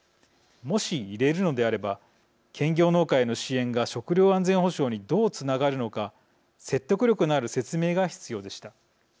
もし入れるのであれば兼業農家への支援が食料安全保障にどうつながるのか説得力のある説明が必要でした。